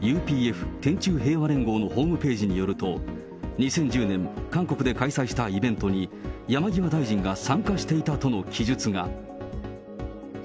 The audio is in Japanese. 天宙平和連合のホームページによると、２０１０年、韓国で開催したイベントに、山際大臣が参加していたとの記述が。